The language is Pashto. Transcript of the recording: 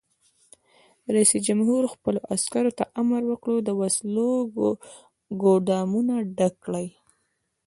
رئیس جمهور خپلو عسکرو ته امر وکړ؛ د وسلو ګودامونه ډک کړئ!